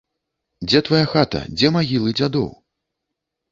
Дзе твая хата, дзе магілы дзядоў?